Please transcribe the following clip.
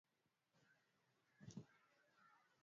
Kuzoesha mnyama kwenye unyevunyevu kwa kipindi kirefu